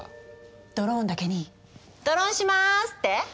ドローンだけに「ドロンします」って？